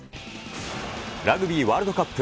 ラグビーワールドカップ。